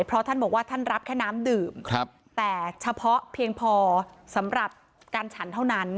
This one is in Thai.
เพราะท่านบอกว่าท่านรับแค่น้ำดื่มแต่เฉพาะเพียงพอสำหรับการฉันเท่านั้น